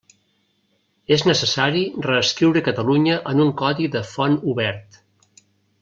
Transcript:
És necessari reescriure Catalunya en un codi de font obert.